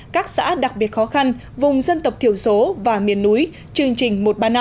các xã đặc biệt khó khăn vùng dân tộc thiểu số và miền núi chương trình một ba năm